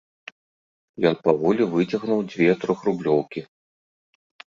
Ён паволі выцягнуў дзве трохрублёўкі.